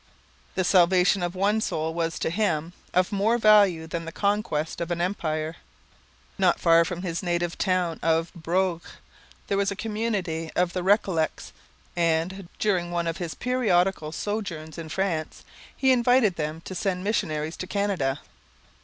The salvation of one soul was to him 'of more value than the conquest of an empire.' Not far from his native town of Brouage there was a community of the Recollets, and, during one of his periodical sojourns in France, he invited them to send missionaries to Canada.